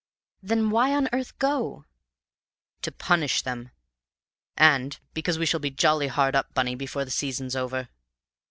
"Then why on earth go?" "To punish them, and because we shall be jolly hard up, Bunny, before the season's over!"